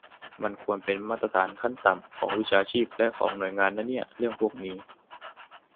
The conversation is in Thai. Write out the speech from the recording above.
มันควรเป็นมาตรฐานขั้นต่ำของวิชาชีพและของหน่วยงานนะเนี่ย เรื่องพวกนี้